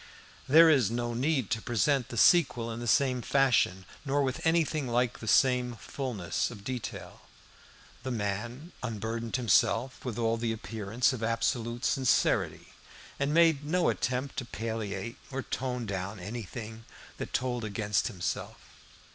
There is no need to present the sequel in the same fashion, nor with anything like the same fulness of detail. The man unburdened himself with all the appearance of absolute sincerity, and made no attempt to palliate or tone down anything that told against himself.